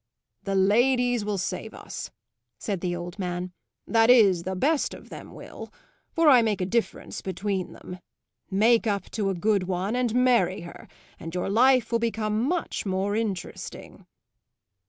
"The ladies will save us," said the old man; "that is the best of them will for I make a difference between them. Make up to a good one and marry her, and your life will become much more interesting."